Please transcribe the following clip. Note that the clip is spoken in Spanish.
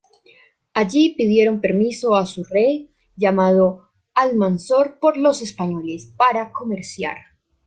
Allí pidieron permiso a su rey, llamado Almanzor por los españoles, para comerciar.